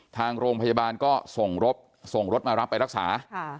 ทางโรงพยาบาลก็ส่งรถมารับไปรักษา